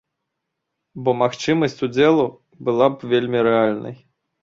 Бо магчымасць удзелу была б вельмі рэальнай.